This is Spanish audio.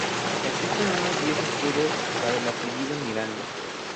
Existen unos diez escudos para el apellido Miranda.